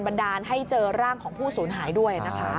ันดาลให้เจอร่างของผู้สูญหายด้วยนะคะ